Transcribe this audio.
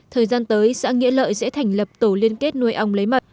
thời gian tới xã nghĩa lợi sẽ thành lập tổ liên kết nuôi ong lấy mật